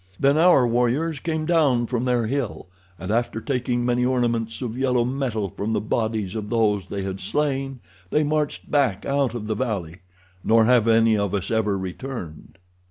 Then our warriors came down from their hill, and, after taking many ornaments of yellow metal from the bodies of those they had slain, they marched back out of the valley, nor have any of us ever returned.